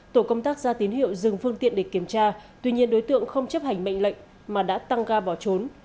tổ công tác ra tín hiệu dừng phương tiện để kiểm tra tuy nhiên đối tượng không chấp hành mệnh lệnh mà đã tăng ga bỏ trốn